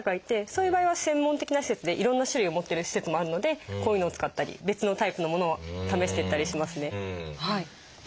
そういう場合は専門的な施設でいろんな種類を持ってる施設もあるのでこういうのを使ったり別のタイプのものを試していったりしますね。